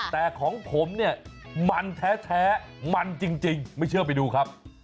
แต่ของผมเนี่ยมันแท้มันจริงไม่เชื่อไปดูครับ